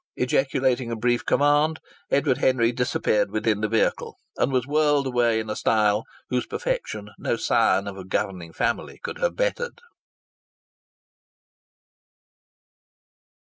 Ejaculating a brief command, Edward Henry disappeared within the vehicle and was whirled away in a style whose perfection no scion of a governing family could have bettered.